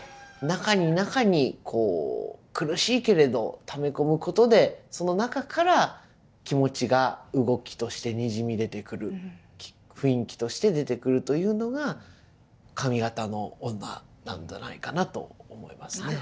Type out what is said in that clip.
中に中にこう苦しいけれどため込むことでその中から気持ちが動きとしてにじみ出てくる雰囲気として出てくるというのが上方の女なんじゃないかなと思いますね。